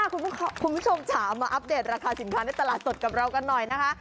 คุณผู้ชมจ๋ามาอัปเดตราคาสินค้าในตลาดสดกับเรากันหน่อยนะคะ